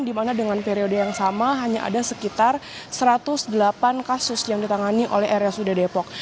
dimana dengan periode yang sama hanya ada sekitar satu ratus delapan kasus yang ditangani oleh rsud depok